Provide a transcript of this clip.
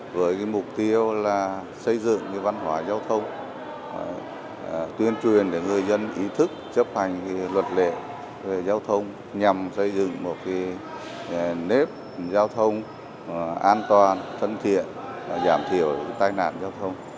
với mục tiêu là xây dựng văn hóa giao thông tuyên truyền để người dân ý thức chấp hành luật lệ về giao thông nhằm xây dựng một nếp giao thông an toàn thân thiện giảm thiểu tai nạn giao thông